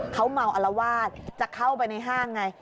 เขาเมาอลวาดจะเข้าไปในห้างไง